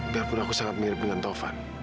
biarpun aku sangat mirip dengan tovan